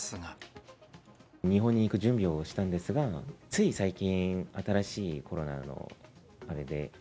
日本に行く準備をしたんですが、つい最近、新しいコロナのあれで。